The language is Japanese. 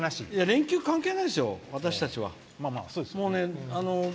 連休関係ないでしょ私たちは。